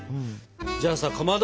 じゃあさかまど。